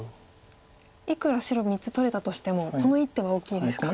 いくら白３つ取れたとしてもこの１手は大きいですか。